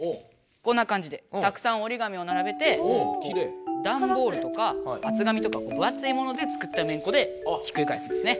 こんなかんじでたくさんおりがみをならべてダンボールとか厚紙とか分厚いもので作っためんこでひっくり返すんですね。